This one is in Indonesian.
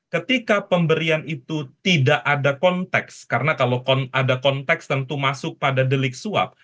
ketika pemberian itu tidak ada konteks karena kalau ada konteks tentu masuk pada delik suap